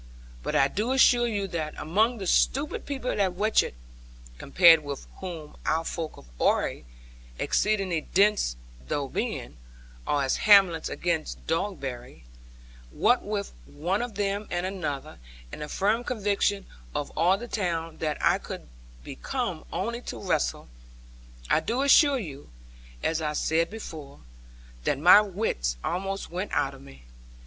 But I do assure you that among the stupid people at Watchett (compared with whom our folk of Oare, exceeding dense though being, are as Hamlet against Dogberry) what with one of them and another, and the firm conviction of all the town that I could be come only to wrestle, I do assure you (as I said before) that my wits almost went out of me.